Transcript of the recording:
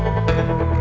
lepas bi arah ini